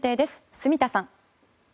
住田さん。